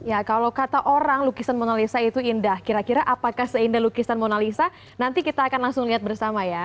ya kalau kata orang lukisan monalisa itu indah kira kira apakah seindah lukisan monalisa nanti kita akan langsung lihat bersama ya